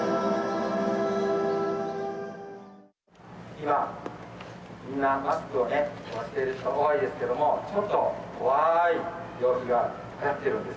今、みんなマスクをしてると思うんですけども、ちょっと怖ーい病気がはやっているんです。